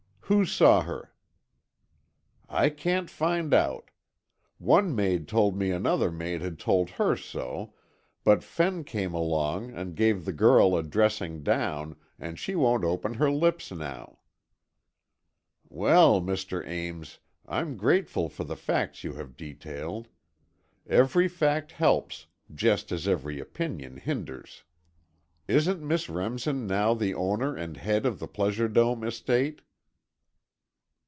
"Who saw her?" "I can't find out. One maid told me another maid had told her so, but Fenn came along and gave the girl a dressing down, and she won't open her lips now." "Well, Mr. Ames, I'm grateful for the facts you have detailed. Every fact helps, just as every opinion hinders. Isn't Miss Remsen now the owner and head of the Pleasure Dome estate?"